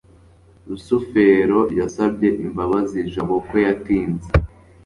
rusufero yasabye imbabazi jabo ko yatinze